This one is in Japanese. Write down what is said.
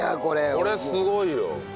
これすごいよ。